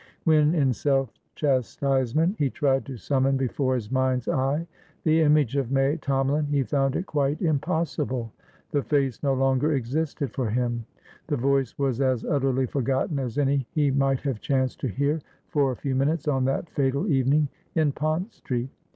When, in self chastisement, he tried to summon before his mind's eye the image of May Tomalin, he found it quite impossible; the face no longer existed for him; the voice was as utterly forgotten as any he might have chanced to hear for a few minutes on that fatal evening in Pont Street.